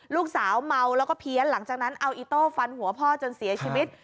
ลูกสาวเมาแล้วก็เพี้ยนหลังจากนั้นเอาอิโต้ฟันหัวพ่อจนเสียชีวิต